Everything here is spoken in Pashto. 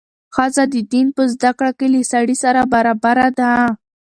ښځه د دین په زده کړه کې له سړي سره برابره ده.